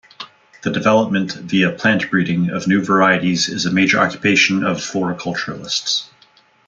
The development, via plant breeding, of new varieties is a major occupation of floriculturists.